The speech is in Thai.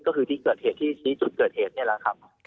ก็คือที่เกิดเหตุที่ชี้จุดเกิดเหตุนี่แหละครับ